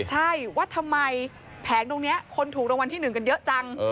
ใช่ว่าทำไมแผงตรงนี้คนถูกรางวัลที่๑กันเยอะจัง